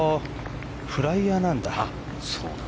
フライヤーなんだ。